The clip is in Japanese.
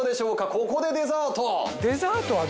ここでデザート。